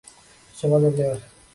সে বাজে প্লেয়ার।